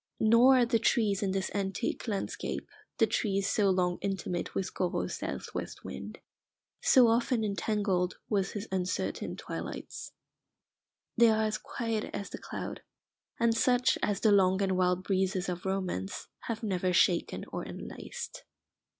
Nor are the trees in this antique landscape the trees so long intimate with Corot's south west wind, so often entangled with his uncertain twilights. They are as quiet as the cloud, and such as the long and wild breezes of Romance have never shaken or enlaced.